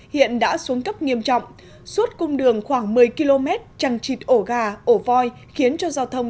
hiện đã xuống cấp nghiêm trọng suốt cung đường khoảng một mươi km trằng chịt ổ gà ổ voi khiến cho giao thông